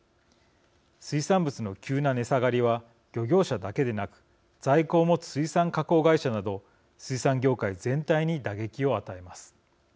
水産物の急な値下がりは漁業者だけでなく在庫を持つ水産加工会社など水産業界全体に打撃を与えます。